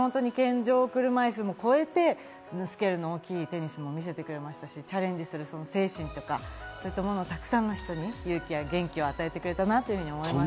健常、車いすも越えて、スケールの大きいテニスを見せてくれましたし、チャレンジする精神とか、そういったものを沢山の人に勇気や元気を与えてくれたなと思います。